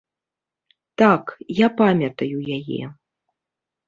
Так, я памятаю яе.